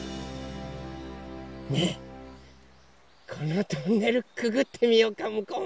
ねえこのトンネルくぐってみようかむこうまで。